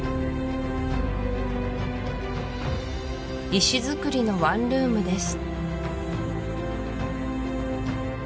石造りのワンルームです